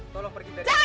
tolong pergi dari sini